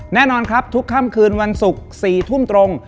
แน่นอนครับทุกค่ำคืนวันศุกร์๔ทุ่มตรง